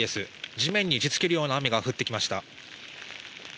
地面に打ち付けるような雨が降ってきました。